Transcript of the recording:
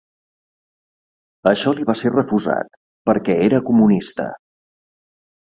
Això li va ser refusat per què era comunista.